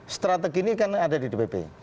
strategi ini kan ada di dpp